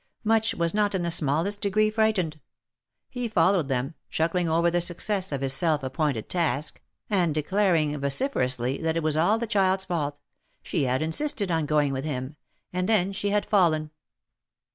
Much was not in the smallest degree frightened. He followed them, chuckling over the success of his self appointed task, and declaring vociferously that it was all the child^s fault — she had insisted on going with him, and then she had fallen.